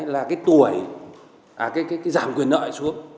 là cái tuổi à cái giảm quyền đợi xuống